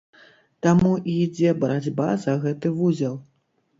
Таму і ідзе барацьба за гэты вузел.